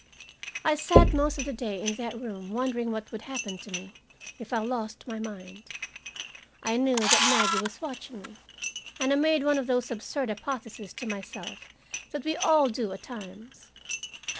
I sat most of the day in that room, wondering what would happen to me if I lost my mind. I knew that Maggie was watching me, and I made one of those absurd hypotheses to myself that we all do at times.